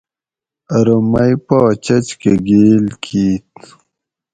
ارو مئ پا چچ کہ گیل کیت